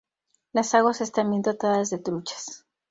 Las aguas están bien dotadas de truchas.